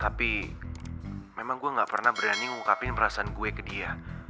tapi memang gue gak pernah berani ngungkapin perasaan gue ke dia